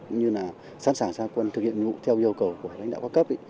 cũng như là sẵn sàng xa quân thực hiện nhiệm vụ theo yêu cầu của lãnh đạo các cấp